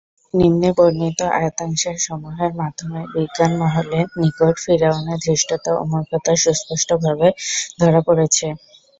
নিম্নে বর্ণিত আয়াতাংশসমূহের মাধ্যমে বিজ্ঞমহলের নিকট ফিরআউনের ধৃষ্টতা ও মূর্খতা সুস্পষ্টভাবে ধরা পড়েছে।